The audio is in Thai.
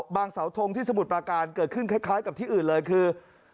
เสาทงที่สมุทรประการเกิดขึ้นคล้ายกับที่อื่นเลยคือ